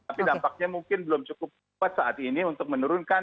tapi dampaknya mungkin belum cukup kuat saat ini untuk menurunkan